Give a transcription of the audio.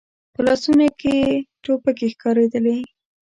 په لاسونو کې يې ټوپکې ښکارېدلې.